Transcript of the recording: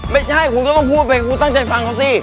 ไม่ใช่คุณก็ต้องพูดไปคุณตั้งใจฟังเขาสิ